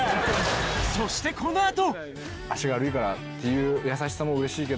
そしてこのあと。